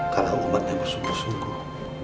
kalau umatnya bersungguh sungguh